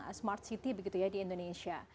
pembangunan telekomunikasi di indonesia